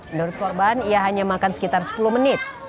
menurut korban ia hanya makan sekitar sepuluh menit